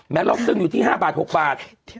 ล็อกซึ้งอยู่ที่๕บาท๖บาท